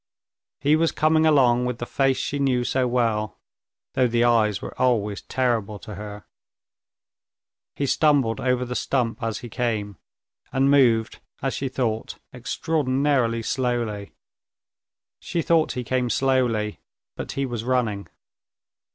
He was coming along with the face she knew so well, though the eyes were always terrible to her. He stumbled over the stump as he came, and moved, as she thought, extraordinarily slowly. She thought he came slowly, but he was running.